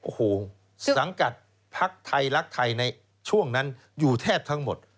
โอ้โหสังกัดภักดิ์ไทยรักไทยในช่วงนั้นอยู่แทบทั้งหมด